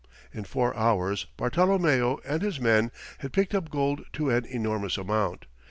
In four hours, Bartolomeo and his men had picked up gold to an enormous amount.